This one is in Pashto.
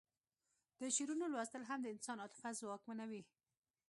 د شعرونو لوستل هم د انسان عاطفه ځواکمنوي